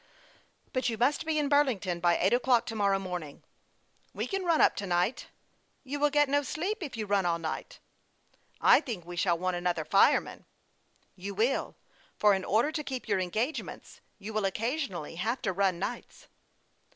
" But you must be in Burlington by eight o'clock to morrow morning." " We can run up to night." " You will get no sleep if you run all night." " I think we shall want another fireman." THE YOUNG PILOT OF LAKE CHAMPLATN. 241 " You will ; for in order to keep your engage ments you will occasionally have to run nights."